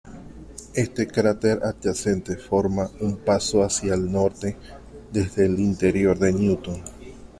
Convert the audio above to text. Este cráter adyacente forma un paso hacia el norte desde el interior de Newton.